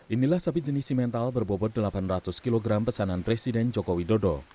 inilah sapi jenis simental berbobot delapan ratus kg pesanan presiden joko widodo